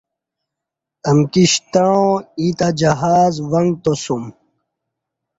امکی شتعاں ییں تہ جہاز و نگتاسُوم